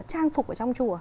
trang phục ở trong chùa